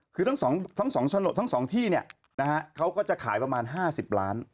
คือทั้ง๒ชะโนตทั้ง๒ที่เขาก็จะขายประมาณ๕๐ล้าน